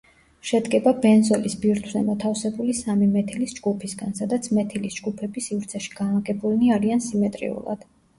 შედგება ბენზოლის ბირთვზე მოთავსებული სამი მეთილის ჯგუფისგან, სადაც მეთილის ჯგუფები სივრცეში განლაგებულნი არიან სიმეტრიულად.